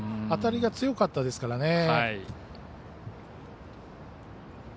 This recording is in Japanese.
当たりが強かったですからね。